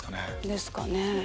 ですかね。